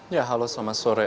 ya halo selamat sore